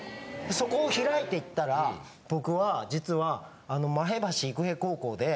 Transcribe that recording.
そこを開いていったら「僕は実は」。